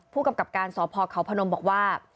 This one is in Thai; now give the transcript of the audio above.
ผู้กำกับการสพเขาพนมบอกว่า